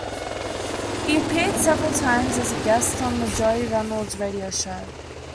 He appeared several times as a guest on the Joey Reynolds radio show.